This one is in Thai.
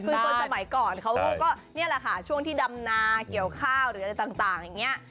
คือคนสมัยก่อนเขาก็นี่แหละค่ะช่วงที่ดำนาเกี่ยวข้าวหรืออะไรต่างอย่างนี้